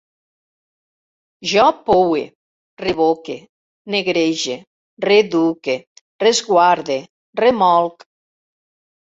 Jo poue, revoque, negrege, reeduque, resguarde, remolc